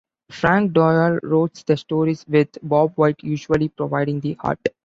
Frank Doyle wrote the stories, with Bob White usually providing the art.